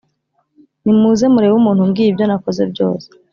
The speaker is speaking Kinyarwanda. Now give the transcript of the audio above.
“Nimuze murebe umuntu umbwiye ibyo nakoze byose